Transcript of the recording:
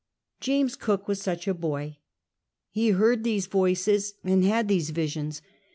James Cook was such a boy. Ho heard these voices and had these visions.